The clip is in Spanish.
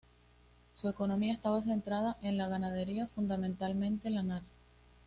Su economía estaba centrada en la ganadería, fundamentalmente lanar.